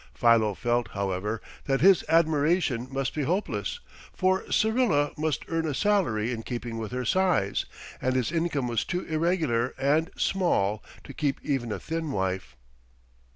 Philo felt, however, that his admiration must be hopeless, for Syrilla must earn a salary in keeping with her size, and his income was too irregular and small to keep even a thin wife.